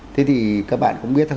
thế thì các bạn cũng biết đó